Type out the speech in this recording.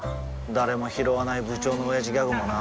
誰もひろわない部長のオヤジギャグもな